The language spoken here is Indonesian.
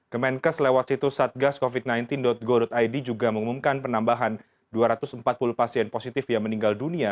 kemenkes lewat situs satgascovid sembilan belas go id juga mengumumkan penambahan dua ratus empat puluh pasien positif yang meninggal dunia